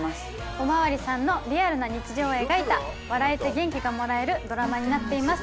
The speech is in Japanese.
お巡りさんのリアルな日常を描いた笑えて元気がもらえるドラマになっています。